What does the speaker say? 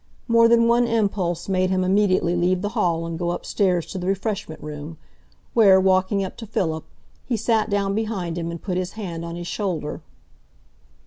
More than one impulse made him immediately leave the hall and go upstairs to the refreshment room, where, walking up to Philip, he sat down behind him, and put his hand on his shoulder.